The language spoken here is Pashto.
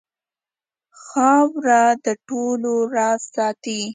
خاوره د ټولو راز ساتي.